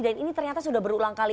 dan ini ternyata sudah berulang kali